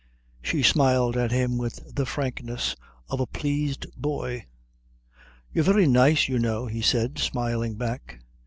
She smiled at him with the frankness of a pleased boy. "You're very nice, you know," he said, smiling back.